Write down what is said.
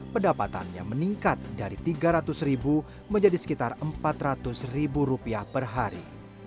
pendapatannya meningkat dari tiga ratus ribu menjadi sekitar empat ratus per hari